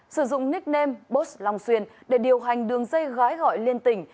sử dụng nickname botos long xuyên để điều hành đường dây gái gọi liên tỉnh